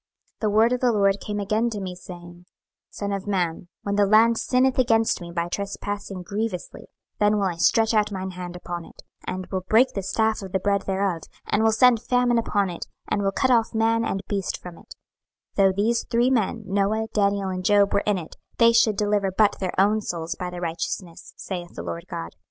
26:014:012 The word of the LORD came again to me, saying, 26:014:013 Son of man, when the land sinneth against me by trespassing grievously, then will I stretch out mine hand upon it, and will break the staff of the bread thereof, and will send famine upon it, and will cut off man and beast from it: 26:014:014 Though these three men, Noah, Daniel, and Job, were in it, they should deliver but their own souls by their righteousness, saith the Lord GOD.